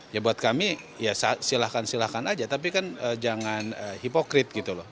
ya buat kami ya silahkan silahkan aja tapi kan jangan hipokrit gitu loh